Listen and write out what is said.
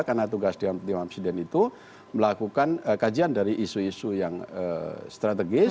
karena tugas di umum presiden itu melakukan kajian dari isu isu yang strategis